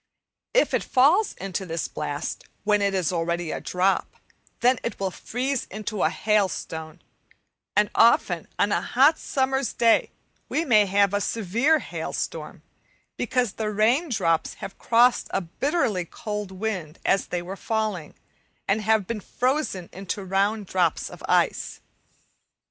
If it falls into this blast when it is already a drop, then it will freeze into a hailstone, and often on a hot summer's day we may have a severe hailstorm, because the rain drops have crossed a bitterly cold wind as they were falling, and have been frozen into round drops of ice.